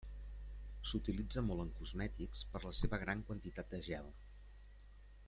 S'utilitza molt en cosmètics per la seva gran quantitat de gel.